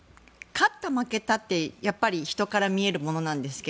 勝った負けたって人から見えるものなんですが